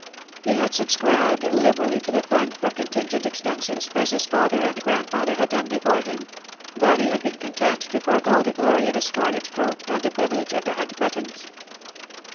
He had subscribed liberally to the fund for contingent expenses, as his father and grandfather had done before him; but he had been content to forego the glory of a scarlet coat, and the privilege of the Hunt buttons.